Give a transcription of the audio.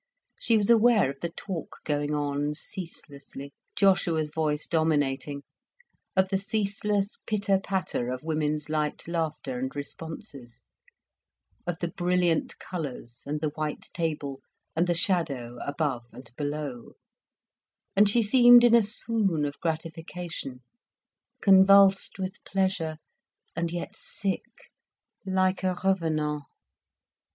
She was aware of the talk going on, ceaselessly, Joshua's voice dominating; of the ceaseless pitter patter of women's light laughter and responses; of the brilliant colours and the white table and the shadow above and below; and she seemed in a swoon of gratification, convulsed with pleasure and yet sick, like a revenant.